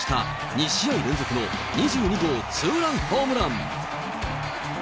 ２試合連続の２２号ツーランホームラン。